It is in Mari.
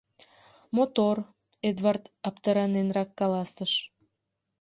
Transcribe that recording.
— Мотор, — Эдвард аптыраненрак каласыш.